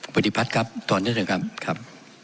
ปฏิพัฒน์ครับถอนนะครับ